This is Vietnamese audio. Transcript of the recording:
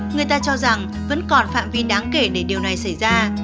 người ta cho rằng vẫn còn phạm vi đáng kể để điều này xảy ra